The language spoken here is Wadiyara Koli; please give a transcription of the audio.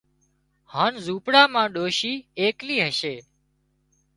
هانَ زونپڙا مان ڏوشِي ايڪلي هشي